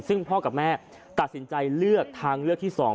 ซึ่งพ่อกับแม่ตัดสินใจเลือกทางเลือกที่๒